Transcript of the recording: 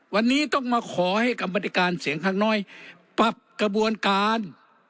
วันนี้ต้องมาขอให้กรรมธิการเสียงข้างน้อยปรับกระบวนการ